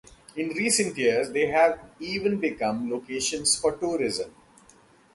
In recent years, they have even become locations for tourism.